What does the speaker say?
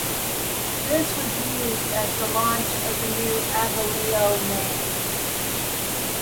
This was used as the launch of the new Abellio name.